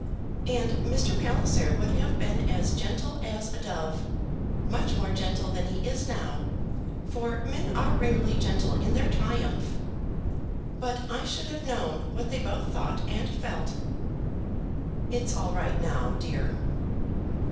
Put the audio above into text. And Mr. Palliser would have been as gentle as a dove; much more gentle than he is now, for men are rarely gentle in their triumph. But I should have known what they both thought and felt." "It's all right now, dear."